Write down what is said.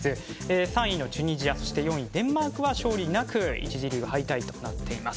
３位のチュニジアそして、４位デンマークは勝利なく１次リーグ敗退となっています。